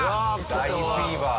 大フィーバー。